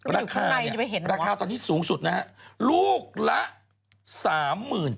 เริ่มต้นราคาสูงสุดลูกละ๓๐๔๐บาท